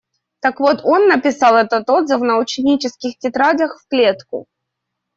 Так вот он написал этот отзыв на ученических тетрадях в клетку.